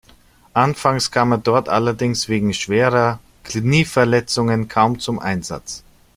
Anfangs kam er dort allerdings wegen schwerer Knieverletzungen kaum zum Einsatz.